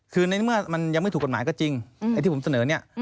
คือในเมื่อมันยังไม่ถูกกฎหมายก็จริงไอ้ที่ผมเสนอเนี่ย